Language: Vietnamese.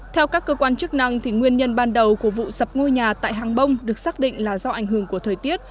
theo các cơ quan chức năng nguyên nhân ban đầu của vụ sập ngôi nhà tại hàng bông được xác định là do ảnh hưởng của thời tiết